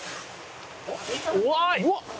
うわっ！